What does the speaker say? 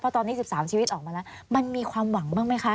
ตอนนี้๑๓ชีวิตออกมาแล้วมันมีความหวังบ้างไหมคะ